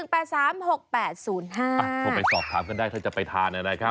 โทรไปสอบถามกันได้ถ้าจะไปทานนะครับ